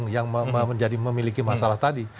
yang menjadi memiliki masalah tadi